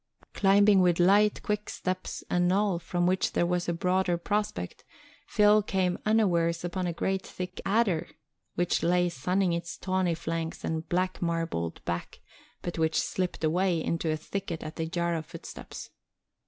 Climbing with light quick steps a knoll from which there was a broader prospect, Phil came unawares upon a great thick adder, which lay sunning its tawny flanks and black marked back but which slipped away into a thicket at the jar of footsteps.